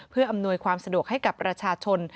เพื่ออำนวยความสะดวกให้กับประชาชน